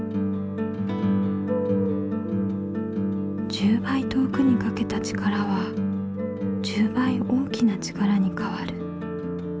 １０ばい遠くにかけた力は１０ばい大きな力にかわる。